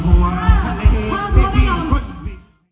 สวัสดีครับ